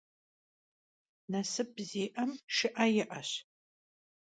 Nasıp zi'em şşı'e yi'eş.